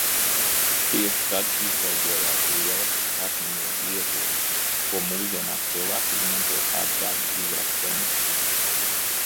Tieši tad izveidojās lielas akmeņogļu iegulas, ko mūsdienās cilvēki izmanto kā degizrakteņus.